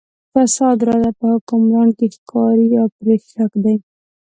فساد راته په حکمران کې ښکاري او پرې شک دی.